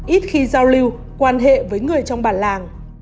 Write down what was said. ít khi giao lưu quan hệ với người trong bản làng